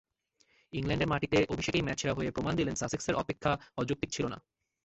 ইংল্যান্ডের মাটিতে অভিষেকেই ম্যাচসেরা হয়ে প্রমাণ দিলেন সাসেক্সের অপেক্ষা অযৌক্তিক ছিল না।